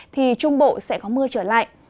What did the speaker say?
thì trung bộ sẽ có mưa trở lại